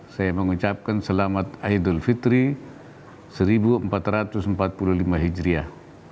saya mengucapkan selamat idul fitri seribu empat ratus empat puluh lima hijriah